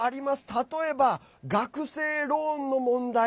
例えば学生ローンの問題。